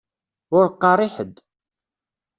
Ur qqaṛ i ḥed.